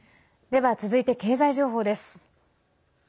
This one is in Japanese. では、続いて経済情報です。